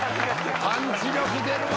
パンチ力出るわ。